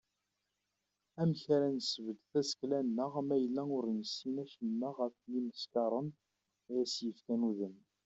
Amek ara nesbedd tasekla-nneɣ ma yella ur nessin acemma ɣef yimeskaren i as-yefkan udem?